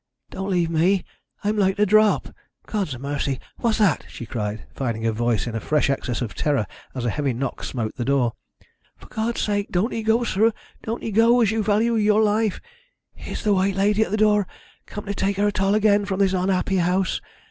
Don't leave me, I'm like to drop. God a' mercy, what's that?" she cried, finding her voice in a fresh access of terror as a heavy knock smote the door. "For God's sake, don't 'ee go, sir, don't 'ee go, as you value your life. It's the White Lady at the door, come to take her toll again from this unhappy house.